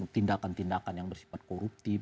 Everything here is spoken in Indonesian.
tindakan tindakan yang bersifat koruptif